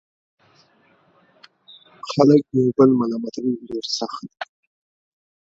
• خلک يو بل ملامتوي ډېر سخت..